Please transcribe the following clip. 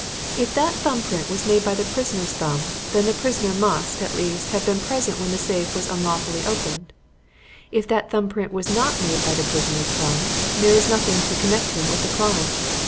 If that thumb print was made by the prisoner's thumb, then the prisoner must, at least, have been present when the safe was unlawfully opened. If that thumb print was not made by the prisoner's thumb, there is nothing to connect him with the crime.